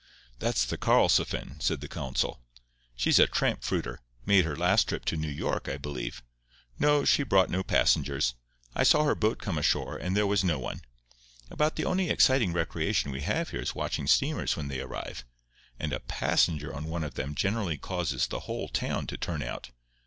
"That's the Karlsefin," said the consul. "She's a tramp fruiter—made her last trip to New York, I believe. No; she brought no passengers. I saw her boat come ashore, and there was no one. About the only exciting recreation we have here is watching steamers when they arrive; and a passenger on one of them generally causes the whole town to turn out.